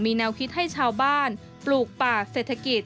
แนวคิดให้ชาวบ้านปลูกป่าเศรษฐกิจ